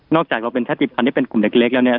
จากเราเป็นชาติภัณฑ์ที่เป็นกลุ่มเล็กแล้วเนี่ย